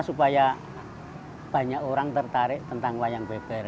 supaya banyak orang tertarik tentang wayang beber